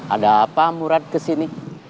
ada apa murad kesini